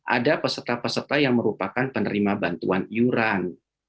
ada peserta peserta yang merupakan penerima bantuan iuran